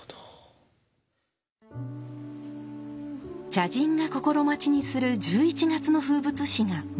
茶人が心待ちにする１１月の風物詩がもうひとつ。